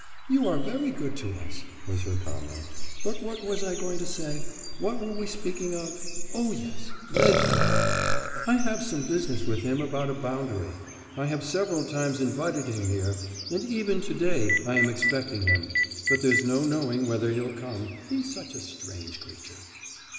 'You are very good to us,' was her comment 'But what was I going to say? What were we speaking of? Oh, yes; Lezhnyov: I have some business with him about a boundary. I have several times invited him here, and even to day I am expecting him; but there's no knowing whether he'll come... he's such a strange creature.